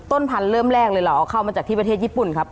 ต้นพันธุ์เริ่มแรกเลยเหรอเอาเข้ามาจากที่ประเทศญี่ปุ่นครับ